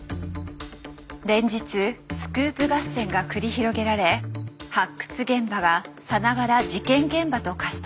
連日スクープ合戦が繰り広げられ発掘現場がさながら事件現場と化していきます。